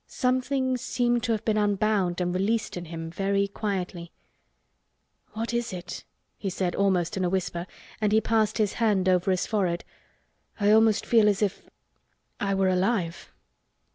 Something seemed to have been unbound and released in him, very quietly. "What is it?" he said, almost in a whisper, and he passed his hand over his forehead. "I almost feel as if—I were alive!"